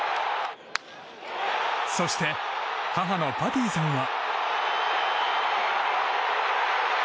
そして、母のパティさんは。